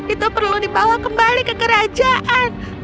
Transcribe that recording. itu perlu dibawa kembali ke kerajaan